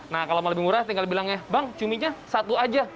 nah kalau mau lebih murah tinggal bilang ya bang cuminya satu aja